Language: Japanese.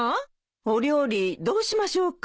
お料理どうしましょうか？